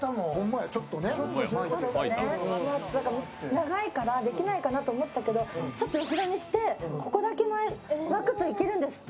長いからできないかなと思ったけどちょっと後ろにして、ここだけ巻くといけるんですって。